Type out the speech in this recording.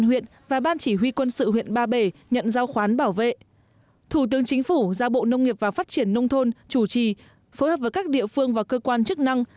thủ tướng chính phủ nguyễn xuân phúc giao bộ nông nghiệp và phát triển nông thôn chủ trì phối hợp với các địa phương và cơ quan chức năng